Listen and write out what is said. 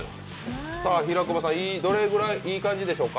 平久保さん、どれぐらい、いい感じでしょうか？